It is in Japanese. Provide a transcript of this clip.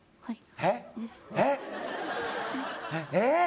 えっ？えっ？